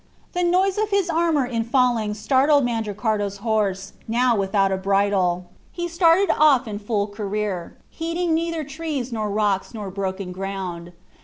The noise of his armor in falling startled Mandricardo's horse, now without a bridle. He started off in full career, heeding neither trees nor rocks nor broken ground.